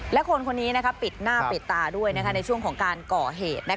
และคนคนนี้ปิดหน้าปิดตาด้วยในช่วงของการก่อเหตุ